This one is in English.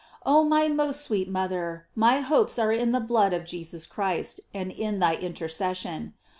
Oh my most sweet mother, my hopes are in the blood of Jesus Christ, and in thy intercession.